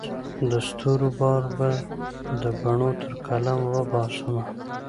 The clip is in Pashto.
د ستورو بار به د بڼو تر قلم وباسمه